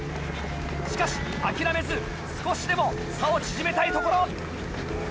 しかし諦めず少しでも差を縮めたいところ。